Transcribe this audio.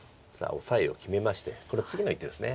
オサエを決めましてこの次の一手です。